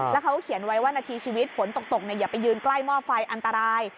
แล้วเขาก็เขียนไว้ว่านาทีชีวิตฝนตกอย่าไปยืนใกล้หม้อไฟอันตราย